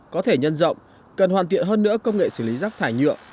có thể nhân rộng cần hoàn thiện hơn nữa công nghệ xử lý rác thải nhựa